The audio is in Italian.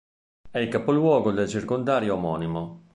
È il capoluogo del circondario omonimo.